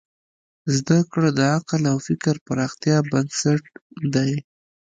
زدهکړه د عقل او فکر پراختیا بنسټ دی.